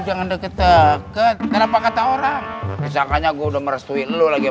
jangan deket deket kenapa kata orang misalkan gua udah merestuin lu lagi